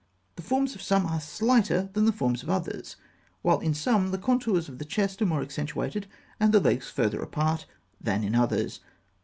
The forms of some are slighter than the forms of others; while in some the contours of the chest are more accentuated, and the legs farther apart, than in others.